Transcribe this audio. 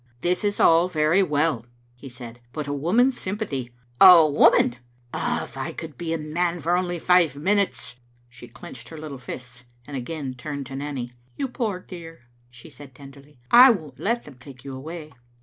"This is all very well," he said, "but a woman's sympathy "" A woman !— ah, if I could be a man for only five minutes !" She clenched her little fists, and again turned to Nanny. "You poor dear," she said tenderly, "I won't let them take you away."